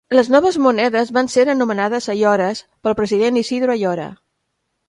Les noves monedes van ser anomenades "ayoras" pel president Isidro Ayora.